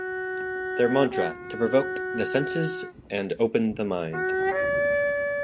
Their Mantra - To Provoke the Senses and Open the Mind.